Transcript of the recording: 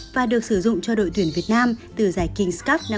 và được sử dụng cho đội tuyển việt nam từ giải king s cup năm hai nghìn một mươi chín